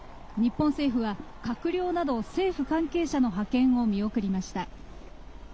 日本政府は閣僚など政府関係者の派遣を見送りしました。